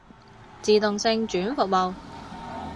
自動性轉服務